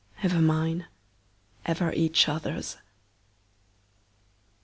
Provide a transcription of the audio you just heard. Ever mine. Ever each other's.